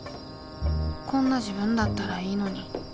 こんな自分だったらいいのに。